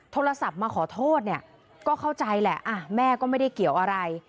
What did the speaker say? โทรศัพท์มาขอโทษเนี่ยก็เข้าใจแหละแม่ก็ไม่ได้เกี่ยวอะไร